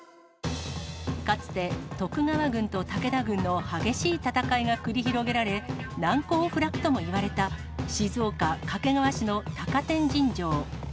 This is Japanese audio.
かつて、徳川軍と武田軍の激しい戦いが繰り広げられ、難攻不落ともいわれた静岡・掛川市の高天神城。